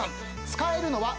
使えるのは。